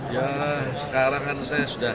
ya sekarang kan saya sudah